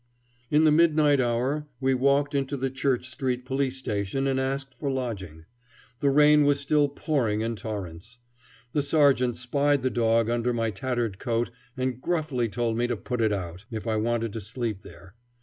In the midnight hour we walked into the Church Street police station and asked for lodging. The rain was still pouring in torrents. The sergeant spied the dog under my tattered coat and gruffly told me to put it out, if I wanted to sleep there.